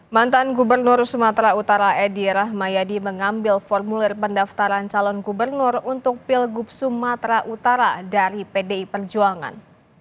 mantan gubernur sumatera utara edi rahmayadi mengambil formulir pendaftaran calon gubernur untuk pilgub sumatera utara dari pdi perjuangan